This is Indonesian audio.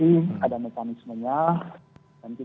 ini seperti apa sih sebetulnya bang wandi